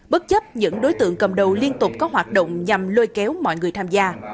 bất chấp những đối tượng cầm đầu liên tục có hoạt động nhằm lôi kéo mọi người tham gia